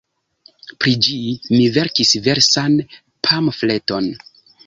Pri ĝi mi verkis versan pamfleton.